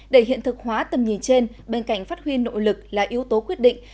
để hiện thực hóa tầm nhìn trên bên cạnh phát huy nội lực là yếu tố quyết định